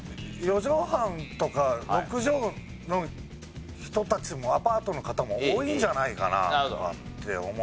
４畳半とか６畳の人たちもアパートの方も多いんじゃないかなとかって思うんですよ。